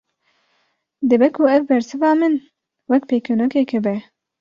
Dibe ku ev bersiva min, wek pêkenokekê be